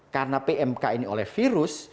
karena pmk ini oleh virus